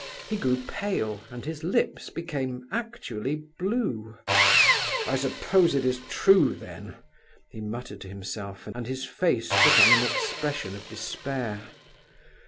He grew pale, and his lips became actually blue. "I suppose it is true, then!" he muttered to himself, and his face took on an expression of despair.